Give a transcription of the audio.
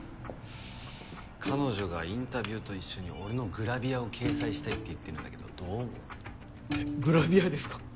彼女がインタビューと一緒に俺のグラビアを掲載したいって言ってるんだけどどう思う？えグラビアですか？